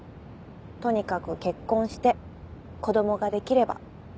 とにかく結婚して子供ができれば。